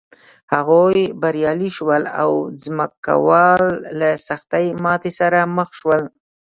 هغوی بریالي شول او ځمکوال له سختې ماتې سره مخ شول.